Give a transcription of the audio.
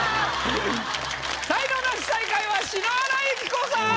才能ナシ最下位は篠原ゆき子さん！